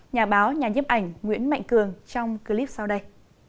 nhà báo nhà nhấp ảnh nguyễn mạnh cường trong clip sau đây